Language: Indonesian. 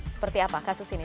seperti apa kasus ini